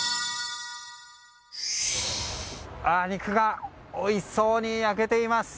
肉がおいしそうに焼けています。